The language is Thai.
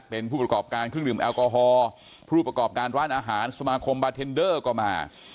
เป็นผู้ประกอบการเครื่องดื่มแอลกอฮอล์ผู้ประกอบการร้านอาหารสมาคมบาเทนเดอร์ก็มา